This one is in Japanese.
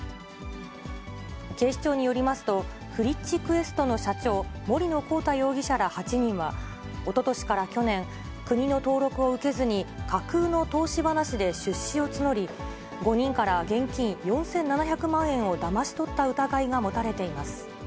警視庁によりますと、フリッチ・クエストの社長、森野広太容疑者ら８人は、おととしから去年、国の登録を受けずに、架空の投資話で出資を募り、５人から現金４７００万円をだまし取った疑いが持たれています。